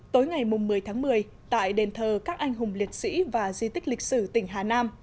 tối ngày một mươi tháng một mươi tại đền thờ các anh hùng liệt sĩ và di tích lịch sử tỉnh hà nam